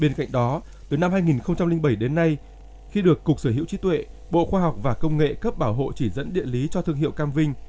bên cạnh đó từ năm hai nghìn bảy đến nay khi được cục sở hữu trí tuệ bộ khoa học và công nghệ cấp bảo hộ chỉ dẫn địa lý cho thương hiệu cam vinh